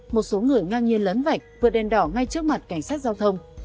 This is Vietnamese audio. một số người ngang nhiên lấn vạch vượt đèn đỏ ngay trước mặt cảnh sát giao thông